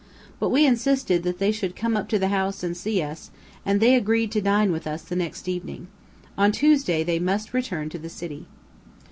But we insisted that they should come up to the house and see us, and they agreed to dine with us the next evening. On Tuesday, they must return to the city.